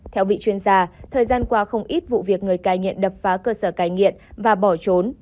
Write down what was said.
theo vị chuyên gia thời gian qua không ít vụ việc người cai nghiện đập phá cơ sở cai nghiện và bỏ trốn